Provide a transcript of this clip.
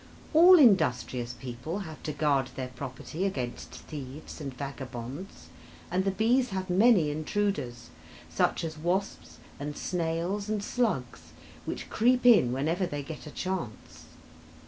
All industrious people have to guard their property against thieves and vagabonds, and the bees have many intruders, such as wasps and snails and slugs, which creep in whenever they get a chance.